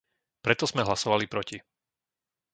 Preto sme hlasovali proti.